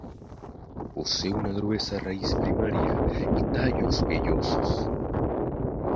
Posee una gruesa raíz primaria y tallos vellosos.